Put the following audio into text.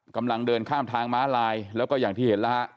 กำลังเดินข้ามทางม้าลายแล้วก็อย่างที่เห็นแล้วฮะ